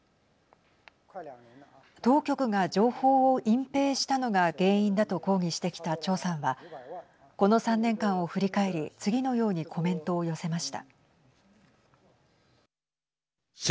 当局が情報を隠蔽したのが原因だと抗議してきた張さんはこの３年間を振り返り次のようにコメントを寄せました。